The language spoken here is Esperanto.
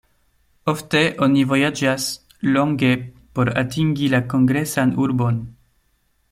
Ofte oni vojaĝas longe por atingi la kongresan urbon.